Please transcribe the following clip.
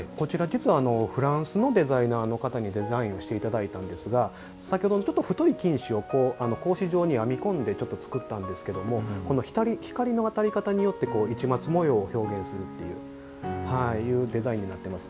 フランスのデザイナーの方にデザインしていただいたんですが太い金糸を格子状に編みこんで作ったんですけども光の当たり方によって市松模様を表現するというデザインになっています。